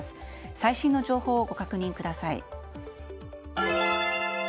最新の情報をご確認ください。